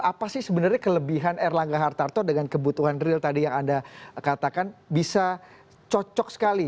apa sih sebenarnya kelebihan erlangga hartarto dengan kebutuhan real tadi yang anda katakan bisa cocok sekali